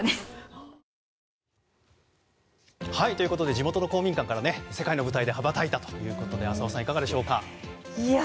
地元の公民館から世界の舞台へ羽ばたいたということで浅尾さん、いかがでしょうか。